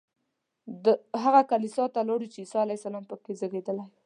هغه کلیسا ته لاړو چې عیسی علیه السلام په کې زېږېدلی.